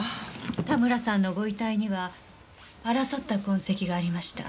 田村さんのご遺体には争った痕跡がありました。